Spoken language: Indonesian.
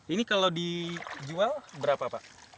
ini kalau dijual berapa pak